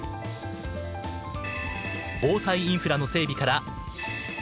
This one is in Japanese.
防災インフラの整備から防災教育。